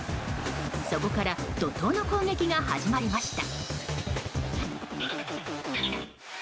そこから怒涛の攻撃が始まりました。